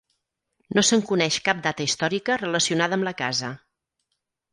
No se'n coneix cap data històrica relacionada amb la casa.